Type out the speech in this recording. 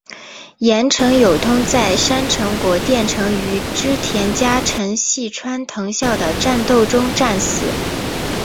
岩成友通在山城国淀城与织田家臣细川藤孝的战斗中战死。